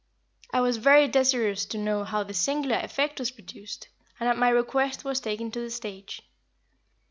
I was very desirous to know how this singular effect was produced, and at my request was taken to the stage.